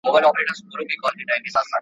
زده کوونکي څنګه د شواهدو پر بنسټ قضاوت کوي؟